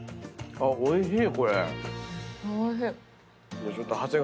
あおいしい！